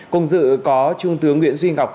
cùng dự có trung tướng nguyễn duy ngọc